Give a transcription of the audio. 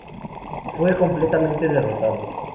Fue completamente derrotado.